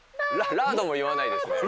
ラードもいわないです。